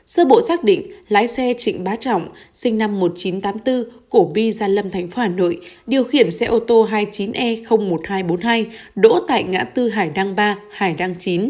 sơ bộ xác định lái xe trịnh bá trọng sinh năm một nghìn chín trăm tám mươi bốn cổ bi gia lâm thành phố hà nội điều khiển xe ô tô hai mươi chín e một nghìn hai trăm bốn mươi hai đỗ tại ngã tư hải đăng ba hải đăng chín